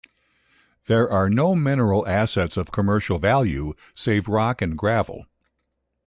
There are no mineral assets of commercial value save rock and gravel.